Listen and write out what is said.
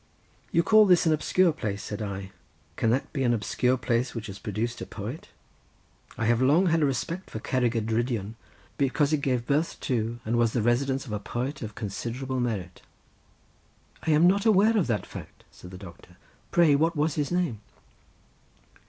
"You call this an obscure place," said I—"can that be an obscure place that has produced a poet? I have long had a respect for Cerrig y Drudion because it gave birth to, and was the residence of a poet of considerable merit." "I was not aware of that fact," said the doctor, "pray what was his name?"